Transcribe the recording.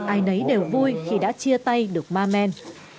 ai nấy đều vui khi đã chia tay được ma men